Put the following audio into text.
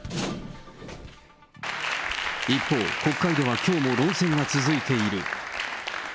一方、国会ではきょうも論戦が続いている。